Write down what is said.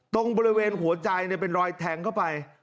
ตรงบริเวณหัวใจเป็นรอยแทงเข้าไป